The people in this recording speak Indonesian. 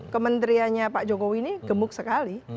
kementeriannya pak jokowi ini gemuk sekali